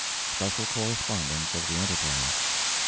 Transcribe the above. (SPECIAL CORRESPONDENCE OF THE ENTERPRISE.)